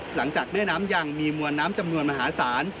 หลังจากแม่น้ำยังมีมวลน้ำจำนวนมหาศาล